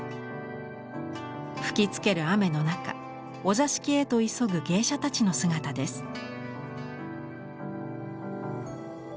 吹きつける雨の中お座敷へと急ぐ芸者たちの姿です。